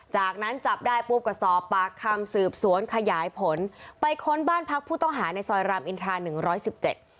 จากนั้นจับได้ปุ๊บก็สอบปากคำสืบสวนขยายผลไปค้นบ้านพักผู้ต้องหาในซอยรามอินทราหนึ่งร้อยสิบเจ็ด